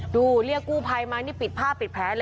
เรียกกู้ภัยมานี่ปิดผ้าปิดแผลเลย